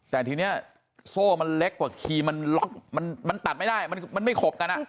แต่ทีเนี่ยโซ่มันเล็กกว่าครีมมันตัดไม่ได้มันไม่ขบกันอะ